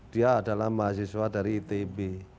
dia adalah mahasiswa dari itb